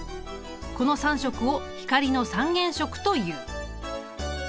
この３色を光の三原色という。